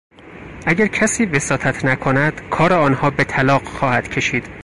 اگر کسی وساطت نکند کار آنها به طلاق خواهد کشید.